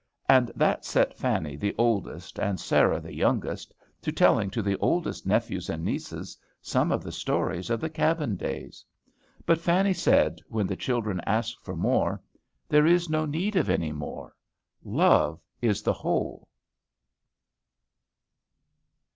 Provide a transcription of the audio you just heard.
And that set Fanny the oldest and Sarah the youngest to telling to the oldest nephews and nieces some of the stories of the cabin days. But Fanny said, when the children asked for more, "There is no need of any more, 'Love is the whole.'"